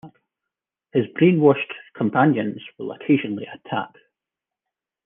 His brainwashed companions will occasionally attack.